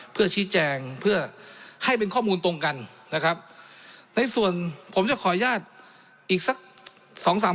เพื่อชี้แจงเพื่อให้เป็นข้อมูลตรงกันนะครับในส่วนผมจะขออนุญาตอีกสักสองสาม